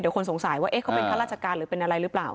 คนสงสัยว่าเขาเป็นข้าราชการหรือเป็นอะไรหรือเปล่า